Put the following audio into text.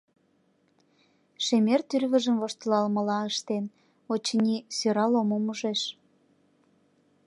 Шемер тӱрвыжым воштылалмыла ыштен, очыни, сӧрал омым ужеш.